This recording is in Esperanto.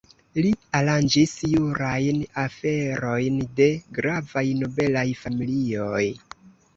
Li aranĝis jurajn aferojn de gravaj nobelaj familioj.